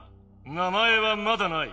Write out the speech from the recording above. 名前はまだない。